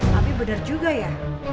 tapi bener juga ya